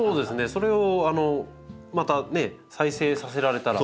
それをまたね再生させられたら。